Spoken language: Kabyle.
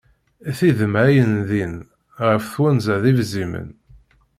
Tidma ayen din, ɣef twenza d ibzimen.